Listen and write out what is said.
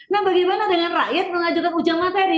nah bagaimana dengan rakyat mengajukan ujian materi